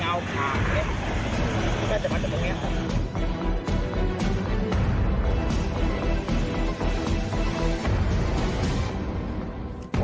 ยาวขาดน่าจะมันจะตรงนี้ค่ะ